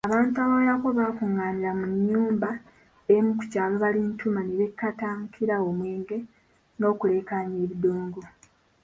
Abantu abawerako bakungaanira mu nnyumba emu ku kyalo Balintuma ne beekatankira omwenge n’okuleekanya ebidongo.